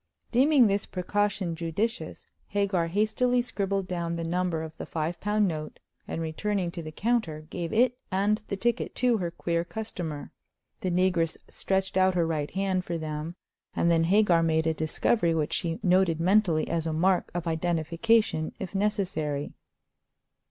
Deeming this precaution judicious, Hagar hastily scribbled down the number of the five pound note, and returning to the counter, gave it and the ticket to her queer customer. The negress stretched out her right hand for them; and then Hagar made a discovery which she noted mentally as a mark of identification if necessary.